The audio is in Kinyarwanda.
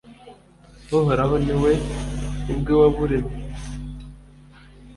uhoraho ni we ubwe waburemye